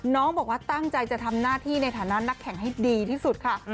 น้องบอกว่าตั้งใจจะทำหน้าที่ในฐานะนักแข่งให้ดีที่สุดค่ะ